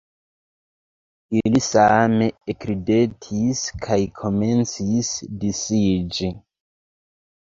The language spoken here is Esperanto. Ili same ekridetis kaj komencis disiĝi.